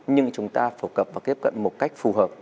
nhưng chúng ta phổ cập và tiếp cận một cách phù hợp